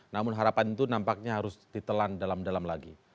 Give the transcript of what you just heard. namun harapan itu nampaknya harus ditelan dalam dalam lagi